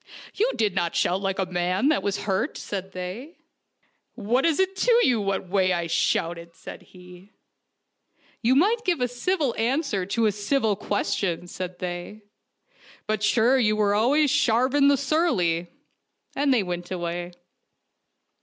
" You did not shout like a man that was hurt," said they. "What is it to you what way I shouted? " said he. " You might give a civil answer to a civil ques THE FAIRY TREE OF DOOROS 109 tion," said they; "but sure you were always Sharvan the Surly ;" and they went away.